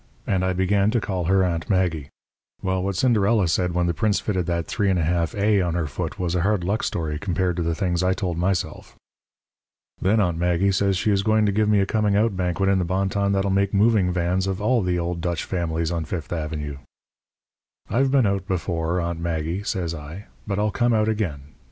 And I began to call her Aunt Maggie. You've read about Cinderella, of course. Well, what Cinderella said when the prince fitted that 3½ A on her foot was a hard luck story compared to the things I told myself. "Then Aunt Maggie says she is going to give me a coming out banquet in the Bonton that'll make moving Vans of all the old Dutch families on Fifth Avenue. "'I've been out before, Aunt Maggie,' says I. 'But I'll come out again.